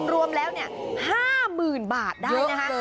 รวมแล้ว๕หมื่นบาทได้นะคะ